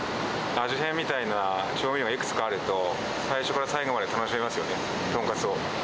味変みたいな調味料がいくつかあると、最初から最後まで楽しめますよね、豚カツを。